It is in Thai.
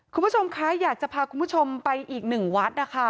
คุณผู้ชมคะอยากจะพาคุณผู้ชมไปอีก๑วัด